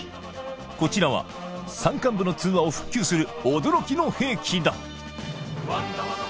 こちらは山間部の通話を復旧する驚きの兵器だ